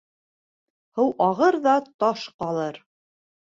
Һыу ағыр ҙа таш ҡалыр.